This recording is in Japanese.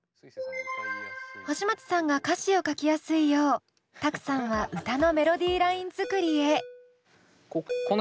星街さんが歌詞を書きやすいようＴＡＫＵさんは歌のメロディーライン作りへ。